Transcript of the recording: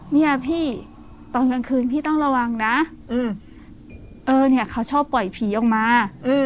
เนี่ยพี่ตอนกลางคืนพี่ต้องระวังนะเออเนี่ยเขาชอบปล่อยผีออกมา